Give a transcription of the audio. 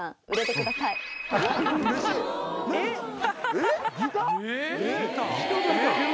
えっ？